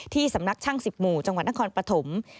ที่สำนักช่าง๑๐หมู่จังหวัดนครปฐม